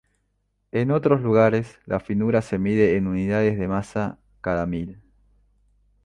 En otros lugares la finura se mide en unidades de masa por cada mil.